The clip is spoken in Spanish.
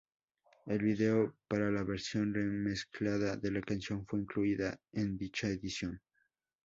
El video para la versión remezclada de la canción fue incluida en dicha edición.